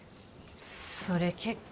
それ結構